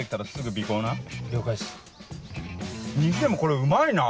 にしてもこれうまいな！